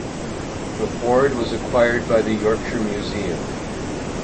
The hoard was acquired by the Yorkshire Museum.